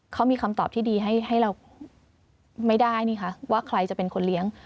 เขามีคำตอบที่ดีให้เราไม่ได้นี่คะว่าใครจะเป็นคนเลี้ยง